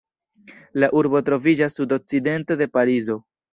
La urbo troviĝas sudokcidente de Parizo.